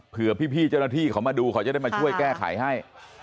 เพื่อพี่เจ้าหน้าที่เขามาดูเขาจะได้มาช่วยแก้ไขให้